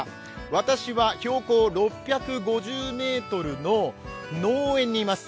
私は標高６５０ｍの農園にいます。